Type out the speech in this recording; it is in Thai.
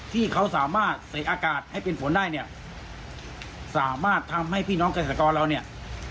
ที่เขาสามารถใส่อากาศให้เป็นฝนได้เนี่ยสามารถทำให้พี่น้องเกษตรกรเราเนี่ย